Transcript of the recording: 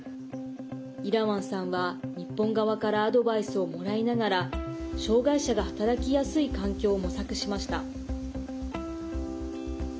イラワンさんは、日本側からアドバイスをもらいながら障害者が働きやすい環境を模索しました。